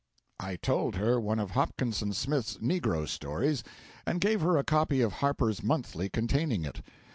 I told her one of Hopkinson Smith's Negro stories, and gave her a copy of 'Harper's Monthly' containing it.